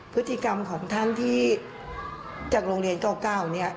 พฤติกรรมของท่านที่จากโรงเรียน๙๙เนี่ย